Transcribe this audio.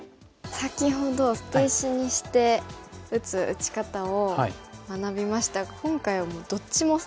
先ほど捨て石にして打つ打ち方を学びましたが今回はどっちも捨て石ですもんね。